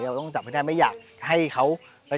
ชื่องนี้ชื่องนี้ชื่องนี้ชื่องนี้ชื่องนี้